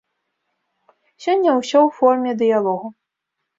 Сёння ўсё ў форме дыялогу.